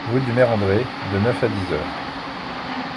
rue du Maire-André, de neuf à dix h.